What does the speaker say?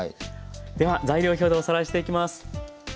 では材料表でおさらいしていきます。